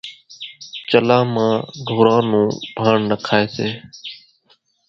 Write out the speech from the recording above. چلان مان ڍوران نون ڀاڻ نکائيَ سي۔